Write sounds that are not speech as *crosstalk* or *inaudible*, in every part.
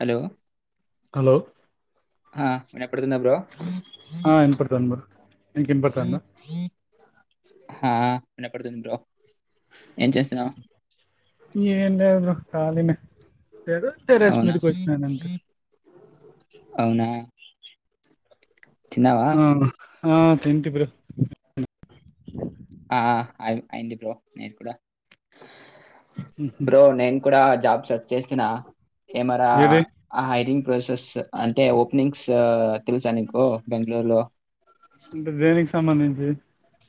Hello hello ఆ వినపడుతుంద bro ఆ ఇన్ పడుతాను బ్రో ఇన్ పడతందా ఆ వినపడుతుంది బ్రో ఏం చేస్తున్నావు ఏం లేదు బ్రో కాలినే లేదు టెర్రస్ అవునా మీదికి వచ్చినానంటే అవునా తిన్నావా మ్మ్ ఆ తింటీ బ్రో ఆ అయ్యింది బ్రో మిది కూడా ఉహు బ్రో *unintelligible* కూడా జాబ్ సర్చ్ చేస్తున్నా కెమెరా ఏది హయిరింగ్ ప్రాసెస్ అంటే ఓపెనింగ్స్ తెలుసా నీకు బెంగళూరు లో *unintelligible*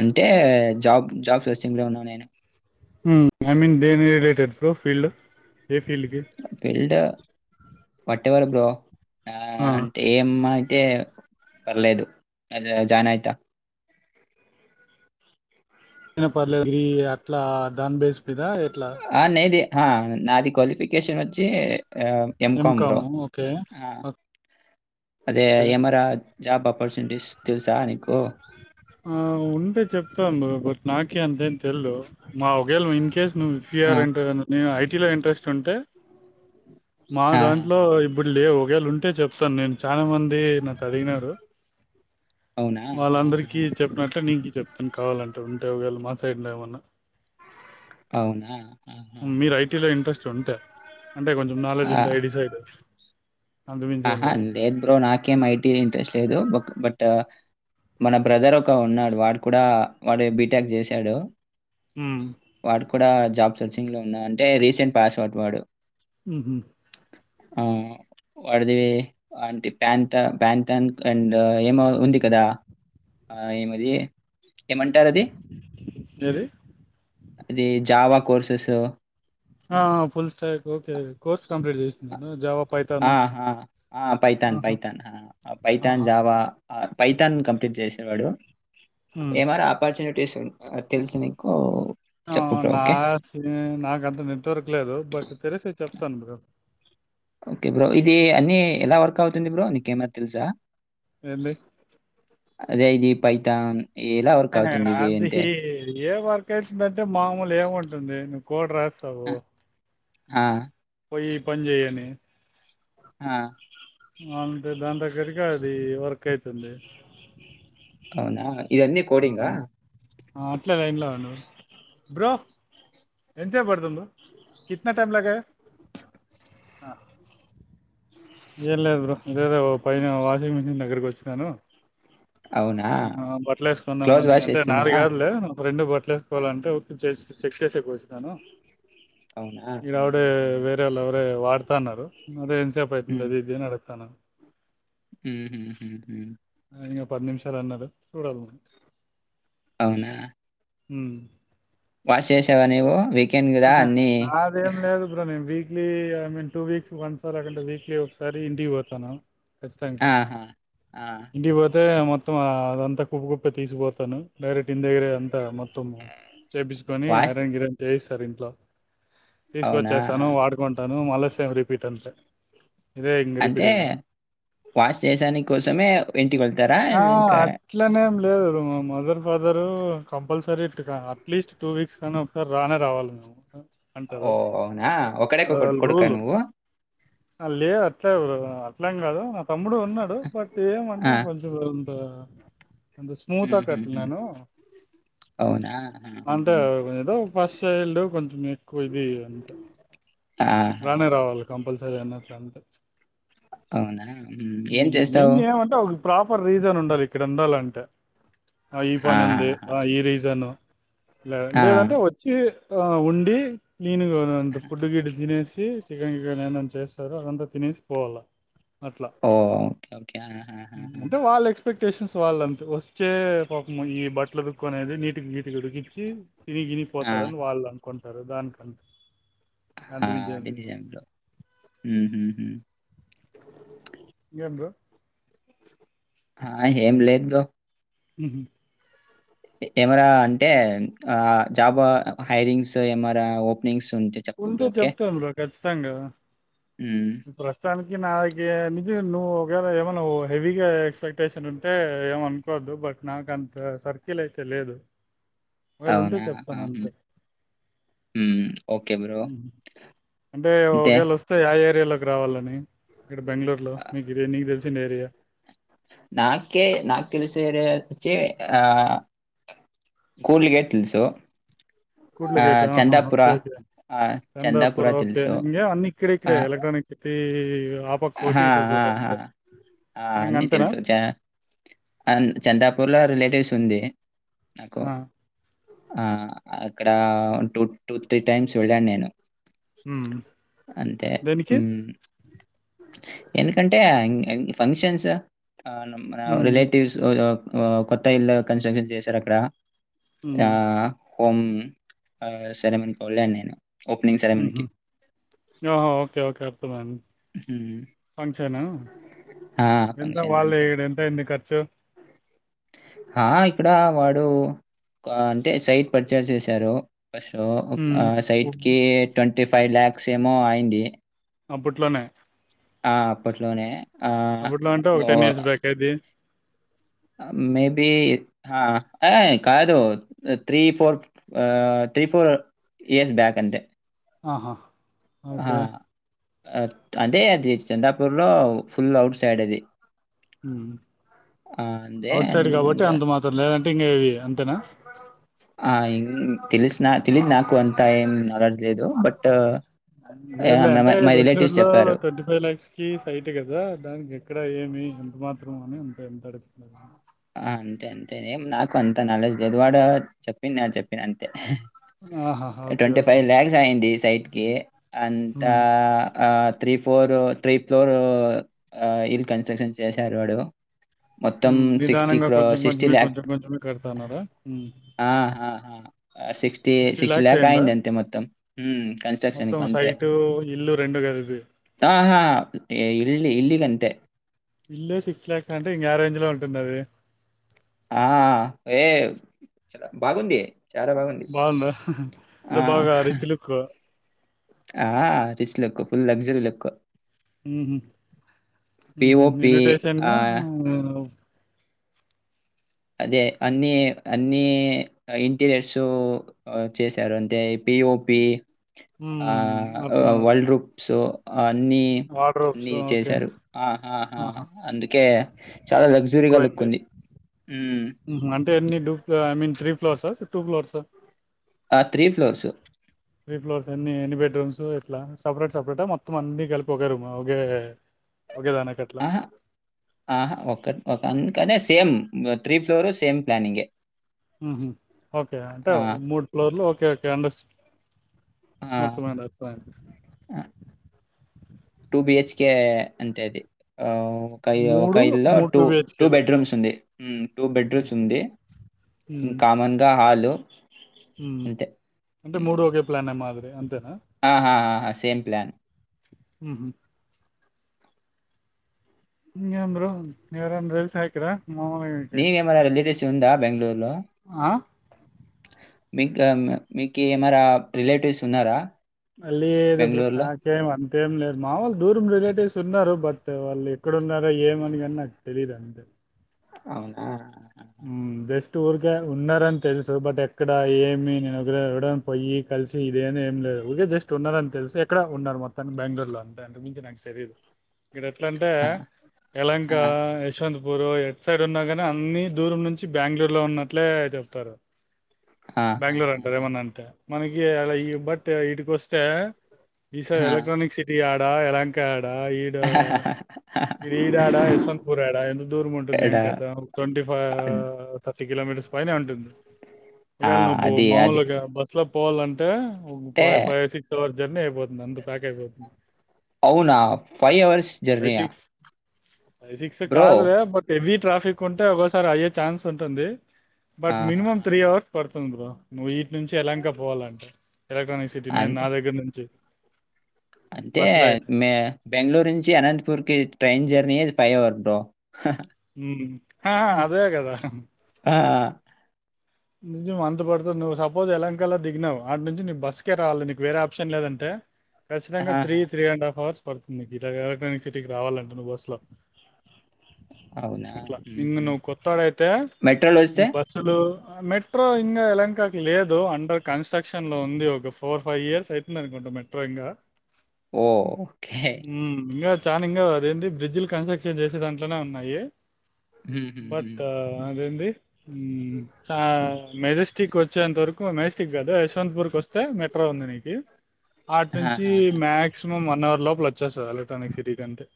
అంటే జాబ్ జాబ్ సెర్చింగ్ లో ఉన్నాను నేను I mean *unintelligible* related bro field ఏ ఫీల్డ్కి వాటెవర్ బ్రో ఆ అంటే ఏమ్ అంటే పర్లేదు *unintelligible* జాయిన్ అయిత పర్లే అట్లా దన్ బేస్ మీద ఎట్లా ఆ నైది నాది క్వాలిఫికేషన్ వచ్చి ఏం కం బో ఎంకాము ఓకే అదే ఓకే ఎమరా జాబ్ ఆపర్చునిటీస్ తెలుసా నీకు ఆ ఉంటే చెప్తాం బట్ నాకే అంతే తెల్ మా ఒకేళ్ళ ఇన్ కేస్ నువ్వు ఆ *unintelligible* అంటే నే ఐ టీలో ఇంట్రెస్ట్ ఉంటే మా ఆ దాంట్లో ఇప్పుడు లేవు వేళ ఉంటే చెప్తాను నేను చాలా మంది నాకు అడిగినారు. అవునా ఆ హా కీస్ చెప్పినట్టే నీకి చెప్ అని కావాలనుంటే ఉంటేవ్గాల్లు మా సైడ్నే ఉన్నా అవునా మీరు ఐ ఆహా టీలో ఇంట్రెస్ట్ ఉంటే అంటే కొంచెం నాలెడ్జ్ ఉంటే ఐ టి సైడు ఆహా అందేద్ బ్రో నాకేం ఐ టీ ఇంట్రెస్ట్ లేదు బొక్ బట్ తో మన బ్రదర్ ఒక ఉన్నాడు. వాడు కూడా వాడు బీటెక్ చేశాడు. ఉమ్, వాడుకుడా జాబ్ సోర్సింగ్ లో ఉన్నా అంటే రీసెంట్ పాస్ అవుట్ వాడు ఉహు ఆ వాడదివి వాంతి ప్యాంత ప్యాంతన్ అ అండ్ ఏమో ఉంది. కదా ఆ ఏమది ఏమన్ టారు అది. ఏది అది జావా కోర్సెస్ ఆ full stack okay course complete చేసింది. న్ జావప్ ఆహా ఆ పైతాన్, పైతాన్, ఆ పైతాన్ ఆహా జావా ఆ పైతాన్ కంప్లీట్ చేసి. ఎవడో ఏ మారి ఆపర్చునిటీస్ ఉం ఆహ బ్రో. ఓకే. నాస్తూనే నాకంత నెట్ వర్క్. లేదు బట్ తెలిస్తే చెప్తాను. బ్రో ఓకే బ్రో ఇది అన్ని ఎలా వర్క్ అవుతుంది. బ్రో నీకేమరి తెలుసా. ఏందే అదే ఇది పైతాన్ హాహే అద్ది హి ఏం వర్క్ అయితుంది. అంటే మామూల్ అసలు ఏమంటుంది. నువ్వు కోడ్ రాస్ ఆ! సవో ఆ పోయి పని చెయ్యని. ఆ అంతే దాని దగ్గరగా అది వర్క్ అయితుంది. అవునా ఇదన్నీ కోడింగా అట్లా లైన్లో ఉండు బ్రో ఎంచెపు పడ్తుంది బ్రో కిత్న టైం లాగయా ఆహ్ ఏం లేదు బ్రో లేద ఓ పైన వాషింగ్ మిషిన్ దగ్గరకి వచ్చాను అవునా? ఆ బట్టలు వేసుకుందామ క్లోజ్ అని వాష్ అంటే నాది చేస్తున్నావా? కాదులే నా ఫ్రెండ్ బట్టలు వేసుకోవాలంటే చే చెక్ చేసేకి వచ్చినాను అవునా? ఇడా అపుడెయ్ హుహుహు. వేరేవాళ్లు వాడతా ఉన్నారు అదే ఎంసేపు అయితే ఉండడిది అని అడు తనా హ్మ్ హ్మ్ హ్మ్ హ్మ్ ఇంగ పది నిమిషాలు అన్నారు చూడాలి మరి అవునా హ్మ్ వాస్ చేసేవా నీవు నాదేం లేదు బ్రో ని వి లీ I mean two weeks one సార్ లేంటే వీక్లీ ఒకసారి ఇంటికి పోతాను ఖచ్చితంగా ఆహా! ఆ! ఇంటికి పోత అయితే మొత్తం అదంతా కుప్ప కుప్పే తీసికుపోతాను డైరెక్ట్ ఇన దగ్గరే అంతా మొత్తం ము చేపించుకొని వాష్ ఐరనగిరిన్ చేసి సరింట్లో అవునా? తీసుకొచ్చేస్తాను వాడుకుంటా ను మల్ల సేమ్ రిపీట్ అంతే ఇదే ఇంగ రిపీట్ అంటే అయితాంది. వాష్ చేసాని కోసమే ఇంటికి వెళతారా ఆ! ఇంకా ఫదర్ కంపల్సరీ ఇటు అట్లీస్ట్ టూ వీక్స్ కానీ ఒకసారి రానే రావాలి ఉ అంటారు ఓహ్! అవునా? ఒక్కడే కొ కొడుకా రూలు నువ్వు? లేదు అట్లే బ్రో అట్లేమ్ కాదు తమ్ముడు ఉన్నాడు బట్ ఏమంటే ఆ! కొంచెం అంత అంత స్మూత్ కాట్ల హుహుహు. నేను అవునా? అంటే హుహుహు. ఏదో ఫస్ట్చైల్డ్ కొంచం ఎక్కువ ఇది అంతే ఆహా! రానే రావాలి కంపల్సరీ అన్నట్లు అవునా? హ్మ్. ఏం మెయిన్ చేస్తావు? లి ఎం అంటే ప్రాపర్ రీజన్ ఉండాలి. ఇక్కడ ఉండాలంటే ఆ ఈ పని ఉంది. ఆహాహా! ఆ ఈ రీజన్ లే ఆ! లేదంటే వచ్చి ఆ ఉండి క్లీన్గా అంత ఫుడ్డు గడ్డి తినేసి చికెన్ గికెన్ ఎందన చేస్తారు అదంతా తినేసి పోవాల ఓ ఒకే ఒకే ఆ ఆ అంటే వాళ్ళ ఎక్స్పెక్టేషన్స్ వాళ్ళంతే వచ్చే పాపం ఈ బట్టలు ఉతిక్కునేది నీటిని నీటిగా ఉడికిచ్చి తినిగిని ఆ! పోతారన్ అనుకుంటారు. దానికంత హా అంతమించేది అది లేదు. *unintelligible* బ్రో ఉహు హు హూ ఇంగేమ్ బ్రో హా ఏం లేదు. బ్రో ఉహు ఇ కెమరా అంటే మ్ ఆ జాబవా హైరింగ్స్ తో ఏమరా ఓపినింగ్స్ ఉంటే చెప్తాను. బ్రో కచ్చి తంగా హ్మ్. ఉ ప్రస్తుతానికి ఇగ నాకి నిజగా నువ్వు ఒకవేళ ఏమోన్నావో హెవీగా ఎక్స్పెక్టేషన్ ఉంటే ఏం అనుకోద్దు బట్ నాకు అంత సర్కిల్ అయితే లేదు. ఒకవేళ అవున ఉంటే చెప్తాను అహుమ్ అంతే హ్మ్ ఓ ఉహు అంటే ఒకేళ వస్తే అయ్ ఏరియాలోకి రావాలని ఇక్కడ బెంగళూరు లో ఆ, మీకు ఇది నీకు తెలిసిన ఏరియా. నాకే నాక్ తెలిసే ఏరియాచ్చి ఆ కూల్ గేట్ తెలుసు ఆ కూట్లకేట చందాపురా ఓకే ఓకే ఆ చందాపూర్ చందాపురా ఓకే. తెలుసు ఇంగేం అన్నీ ఇక్కడే ఆ ఇక్కడే ఎలక్ట్రానిక్ సిటీ ఆ పక్కోటి, ఈ ఆహహా పక్కోటి అంతే. ఆ ఇంగ అన్ని అంతేనా? తెలుసు చ అన్ చందాపూర్లో రిలేటివ్స్ ఉంది. నాకు ఆ! ఆ అద్ ఇక్కడ టూ, టూ, త్రీ, టైమ్స్ వెళ్ళాను. నేను ఉహు అంతే. దేనికి హ్మ్. ఎందుకంటే ఆ ఇంగ్ ఇంగ్ ఫంక్షన్సు ఆనం రావ్ హ్మ్. రిలేటివ్స్ ఆ వావ్ కొత్త ఇల్లు కన్స్ట్రక్షన్ చేశారు. అక్కడ ఆ హ్మ్. కొం ఆ సరే మని పోలే నేను ఓపెనింగ్ ఉహు సెరమనీకి. ఇగ ఆ ఓకే ఓకే అర్థమైంది. హ్మ్. ఫంక్షన్ ను ఆ! ఎంత ఫంక్షన్ వాళ్ళు అంతే. ఇడ ఎంతయింది. ఖర్చు ఆ ఇక్కడ వాడు కో ఆ అంటే సైట్ పర్చేస్ చేశారు. ఒక్క షో హ్మ్. ఆ సైట్ ఫుడ్ కి ట్వం టీ ఫైవ్ ల్యాక్స్ ఏమో అయింది. అప్పట్లోనే. ఆ అప్పట్లోనే. ఆహ్, అప్పట్లో అంటే ఒక టెన్ ఇయర్స్ బ్యాకా ఇది. మేబి హా ఏ కాదు త్రీ ఫోర్ ఆ త్రీ ఫోర్ ఇయర్స్ బ్యాక్ అంతే. ఆహా. ఆ! ఓకే. అంటే అది చందాపూర్ లో ఫుల్ అఔట్ సైడ్ అది. మ్ ఆహ్, అంతే ఔట్ సైడ్ కాబట్టి అండ్ అంత మాత్రం లేదంటే ఇంగ అంతేనా. నాక్ తెలిదు నాకు అంత ఏం నలెజ్. లేదు లే అంటే మై రిలేటివ్స్ బెంగళూరు లో చెప్పారు ట్వంటీ ఫైవ్ ల్యాక్స్ కి సైట్ గదా దానికి ఎక్కడ ఏమి ఎంత మాత్రం అని ఉంటాయి ఎంత అడగ ఆ అంతే అంతేనేం నాకు అంత నాలెజ్ లేదువాడ చెప్పింది నేను చెప్పిన అంతే. ఆహాహా! Okay. Twenty okay. Five lakhs అయింది సైట్. కే అంతా హ్మ్. ఆ త్రీ ఫోర్ త్రీ ఫ్లోర్ ఇల్ కన్ స్ట్రక్షన్ చేసారు వాడు మొత్తం హ్మ్. సిక్స్. సిక్స్టీ నిదానంగా క్రొ కొంచెం సిక్స్టీ కొంచెమే, ల్యాక్ కొంచెం కొంచెమే కడతన్నారా? హ్మ్. ఆహా ఆహా సిక్స్టీ సిక్స్టీ ల్యాక్ అయిందా? అయింది అంతే మొత్తం కన్ స్ట్రక్షన్ అంతే. రెండు గల్పి. ఆహా ఇల్ ఇల్లు అంతే. ఇల్లే సిక్స్ ల్యాక్స్ అంటే ఇంగ యారేంజ్ లో ఉంటుంది అది. ఆ వేరె ఏ చ బాగుంది. చాలా బాగుంది. బాగుందా ఆ! అంటే బాగా రిచ్ లుక్. ఆ rich look full luxury look. ఉహు ఉహు పీఓపీ ఇన్విటేషన్. ఆహ్, అదే అన్ని అన్ని ఇంటీరియర్స్ చేశారు అంటే. పిఓపి ఆ హ్మ్. వరల్డ్ అర్థమవుతుంది. రూప్స్ అన్ని వార్డ్‌రోబ్స్ అన్ని ఓకే. చేశారు ఆ ఆ ఆహా! అందుకే చాలా లగ్జురీగా లుక్ ఉంది. ఉ ఉ ఊహు అంటే అన్నీ డూప్ ఇఐ ఫ్లోర్స్ టూ ఫ్లోర్స్ ఆ త్రీ ఫ్లోర్సు త్రీ ఫ్లోర్స్ ఎన్ని ఎన్ని బెడ్రూమ్స్ ఎట్లా సపరేట్ సపరేట మొత్తం అన్ని గలిపి ఒకే రూమా ఒకే ఒకే దానికి అట్లా ఆహా ఆహా ఒక ఒక కాని same three floor same planning ఊహు ఓకే అంటే మూడు ఫ్లోర్లు ఓకే ఓకే ఓకే అండస్ ఆ! మొత్తమెంత బిహెచ్కె అంత అది ఒక ఒక మూడు ఇల్లు మూడు టూ టూ బిహెచ్కేలు బెడ్రూమ్స్ ఉంది టూ బెడ్రూమ్స్ ఉంది కామన్ గా హాలు ఓ అంటే మూడు ఒకే ప్లాన్ మాదిరి అంతేనా ఆహా ఆహా, సేమ్ ప్లాన్ ఊహు ఇంగేమ్ ఎవరైన దెల్సా ఇక్కడ మామూలుగా మీకు నీవేమనా రిలేటటివ్స్ ఉంద బెంగళూరు లో ఆ మీక మీకు మరా రిలేటివ్స్ ఉన్నారా లేరు బ్రో బెంగళూరులో నాకెమెన్ అంతేం లేదు మామూలు దూరం రిలేటివ్స్ ఉన్నారు బట్ వాళ్ళు ఎక్కడున్నారో ఏమనిగాని నాకు తెలీదు అంతే అవునా ఉ జస్ట్ ఊరికే ఉన్నారని తెలుసు బట్ ఎక్కడ ఏమి నేనేబ్బుడన్న పోయి కలిసి ఇదే ఏమి లేదు ఊరికే జస్ట్ ఉన్నారని తెలుసు ఎక్కడ ఉన్నారు మొత్తానికి బెంగళూరులో అంటే అంతకు మించి నాకు తెలియదు ఇక్కడ ఎట్లంటే ఆ, యలంక ఆ, యశ్వంత్ ఉరు ఎట్ సైడ్ ఉన్నా కాని అన్ని దూరం నుంచి బెంగళూరు లో ఉన్నట్లే చెప్తారు ఆ, ఆ, బెంగళూరు అంటరు ఏమన్ అంటే మనకి అలా ఈ బట్ ఇటుకొస్తే ఈ సారి ఆ, ఆ. ఎలక్ట్రనిక్ సిటీ అ ఆ ఎలాంకా డ ఈడ ఈ ఈ ఆడా యశ్వంత పూర్ ఆడా ఎంత దూరు ముంటంది ఎంకాంట అను టి కిలోమీటర్స్ పైనే వుంటుంది ఆ, ఒగాల నువ్వు అది అది మామలుగా బస్లా పోల్ల అంటే అంటే వ ఫైవ్ సిక్స్ జర్నీ అయిపోతుంది అందు ప్యాక్ అయిపోతుంది అవునా ఫైవ్ అవర్స్ ఫైవ్ జర్నీయా సిక్స్ ఫైవ్ సిక్స్ బ్రో కాదులే బట్ ఎవి ట్రాఫిక్ ఉంటే ఒక్కో సార్ అయ్యే ఛాన్స్ ఉంటుంది బట్ ఆహా, మినిమమ్ ఆహా. త్రీ అవర్స్ పడుతుంది బ్రో నుయి నించి ఎలంక పోవాలంటే ఎలక్ట్రానిక్ సిటీ నేను అంతే నా దగ్గర నుంచి అంటే బస్సులో అయితే మే బెంగళూరు నుంచి అనంతపూర్ కి ట్రైన్ జర్నీ పైవర్ బ్రో ఉ అదేగదా ఆ! నిజం అంత పడుతుంది నువ్వు సపోజ్ ఎలంకల్ దిగినావు ఆడ్ నుంచి నీ బస్సుకే రావాలి నీకు వేరే ఆప్షన్ లేదంటే ఖచ్చితంగా త్రీ ఆహా! త్రీ అండ్ హాఫ్ అవర్ పడుతుంది ఇట గాక సిటీకి రావాలంటే నువ్ బస్సు లో అవునా? అట్లా ఇంగ్ హుహు. నువ్వు కొత్తోడయితే మెట్రోలో వస్తే? ఇంగ్ బస్సులు మెట్రో ఇంగా ఎలంకకి లేదు అండర్ కన్స్ట్రక్షన్ లో ఉంది ఒక ఫోర్ ఫైవ్ ఇయర్స్ అయితుంది అనుకుంటా మెట్రో ఇంకా ఓకే చానింగా అదెంటి బ్రిడ్జలు కన్స్ట్రక్షన్ చేసే దాంట్లోనే ఉన్నాయి హుహుహు. బట్ అదేంది ఉ చెంత వరకు మేజస్టిక్ కాదు యశ్వంత్పుర్ మెట్రో ఉంది నీకి ఆటి నుంచి ఆహాహా! మాక్సిమం వన్ అవర్ లోపల వచ్చేస్తది ఎలాక్ట్రానిక్ సిటీ కంటే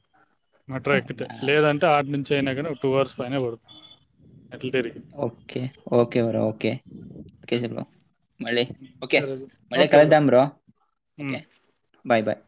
మేట్రో ఎక్కితే అవునా? లేదంటే ఆటి నుంచి అయినా కానీ టూ అవర్స్ ఫైనే పడుదు ఎట్లా తిరిగి ఓకే. ఓకే బ్రో ఓకే కేసుల మళ్ళీ ఓకే సరే బ్రో, మళ్ళీ ఓకే కళ్ద్దాం బ్రో ఉమ్ ఓకే బాయ్ బాయ్